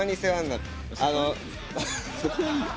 そこはいいよ。